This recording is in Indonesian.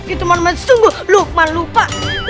itu monumen sungguh lukman lupa